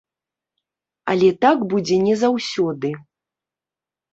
Але так будзе не заўсёды.